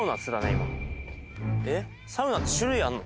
今サウナって種類あんの？